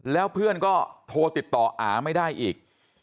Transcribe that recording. แล้วเพื่อนก็โทรติดต่ออาไม่ได้อีก